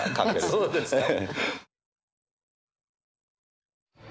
そうですね。